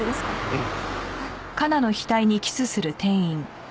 うん。